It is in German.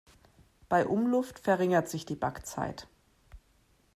Bei Umluft verringert sich die Backzeit.